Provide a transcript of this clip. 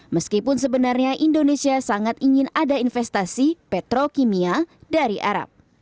meskipun sebenarnya indonesia sangat ingin ada investasi petrokimia dari arab